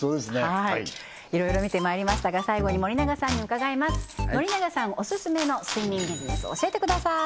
はいいろいろ見てまいりましたが最後に森永さんに伺います森永さんオススメの睡眠ビジネス教えてください